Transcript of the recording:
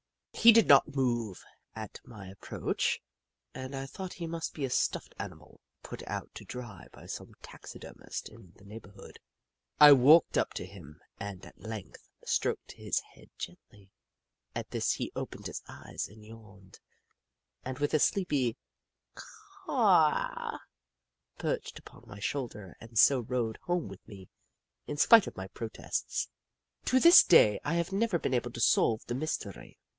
He did not move at my approach, and I thought he must be a stuffed animal, put out to dry by some taxidermist in the neighbourhood. I walked up to him and, at length, stroked his head gently. At this, he opened his eyes, yawned, and with a sleepy " Caw w w w,'' perched upon my shoulder and so rode home with me, in spite of my protests. io8 Jim Crow 109 To this day I have never been able to solve the mystery.